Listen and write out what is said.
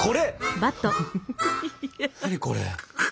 何これ？